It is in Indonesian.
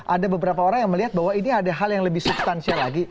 ada beberapa orang yang melihat bahwa ini ada hal yang lebih substansial lagi